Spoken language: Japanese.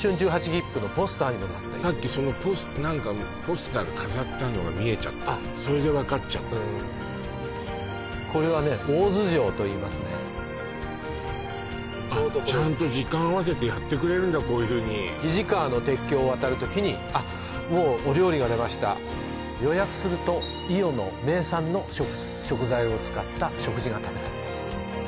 きっぷのポスターにもなったさっきそのポスターが飾ってあんのが見えちゃったのそれで分かっちゃったのこれはね大洲城といいますね時間合わせてやってくれるんだこういうふうに肱川の鉄橋を渡る時にあっもうお料理が出ました予約すると伊予の名産の食材を使った食事が食べられます